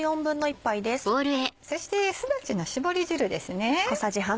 そしてすだちの絞り汁ですね。